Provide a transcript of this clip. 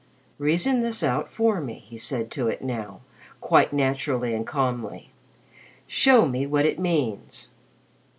"Reason this out for me," he said to it now, quite naturally and calmly. "Show me what it means."